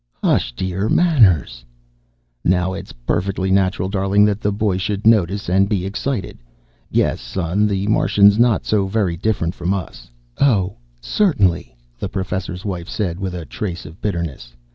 "Hush, dear. Manners." "Now it's perfectly natural, darling, that the boy should notice and be excited. Yes, Son, the Martian's not so very different from us." "Oh, certainly," the Professor's Wife said with a trace of bitterness.